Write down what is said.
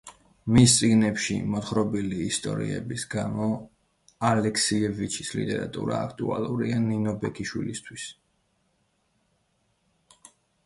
მის წიგნებში მოთხრობილი ისტორიების გამო ალექსიევიჩის ლიტერატურა აქტუალურია ნინო ბექიშვილისთვის.